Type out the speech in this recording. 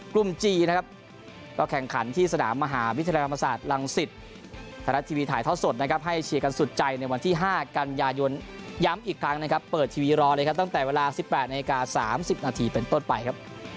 กลุ่มจีนะครับก็แข่งขันที่สนามมหาวิทยาลัยธรรมศาสตร์